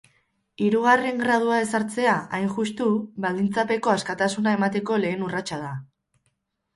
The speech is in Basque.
Hirugarren gradua ezartzea, hain justu, baldintzapeko askatasuna emateko lehen urratsa da.